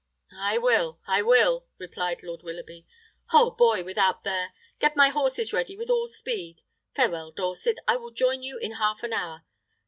"I will, I will," replied Lord Willoughby. "Ho, boy! without there. Get my horses ready with all speed. Farewell, Dorset; I will join you in half an hour.